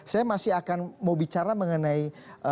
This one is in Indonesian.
saya masih akan mau bicara mengenai